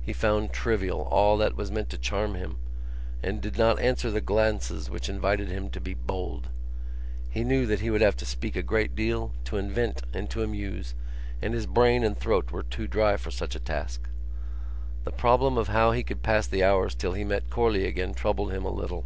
He found trivial all that was meant to charm him and did not answer the glances which invited him to be bold. He knew that he would have to speak a great deal, to invent and to amuse, and his brain and throat were too dry for such a task. The problem of how he could pass the hours till he met Corley again troubled him a little.